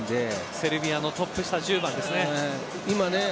セルビアのトップ下１０番ですね。